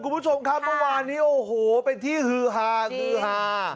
คุณผู้ชมครับเมื่อวานนี้โอ้โหเป็นที่ฮือฮาฮือฮา